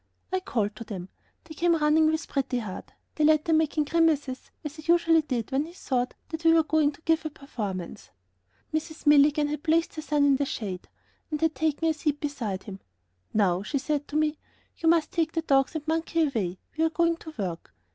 I called to them; they came running up with Pretty Heart; the latter making grimaces as he usually did when he thought that we were going to give a performance. Mrs. Milligan had placed her son in the shade and had taken a seat beside him. "Now," she said to me, "you must take the dogs and the monkey away; we are going to work."